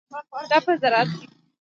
دا په زراعت کې ده.